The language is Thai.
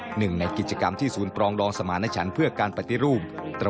หนึ่งในกิจกรรมที่ศูนย์ปรองดองสมาณฉันเพื่อการปฏิรูป